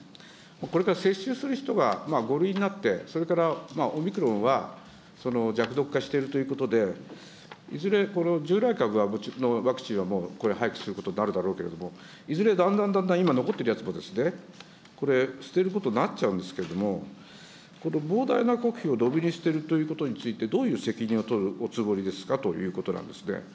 これから接種する人が、５類になって、それからオミクロンは弱毒化しているということで、いずれこの従来株のワクチンはもうこれ、廃棄することになるだろうけれども、いずれ、だんだんだんだん今残ってるやつもですね、これ、捨てることになっちゃうんですけれども、膨大な国費をどぶに捨てるということについて、どういう責任を取るおつもりですかということなんですね。